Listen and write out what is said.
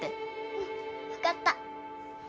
うんわかった！